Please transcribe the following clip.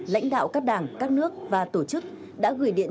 lãnh đạo các đảng các nước và tổ chức đã gửi điện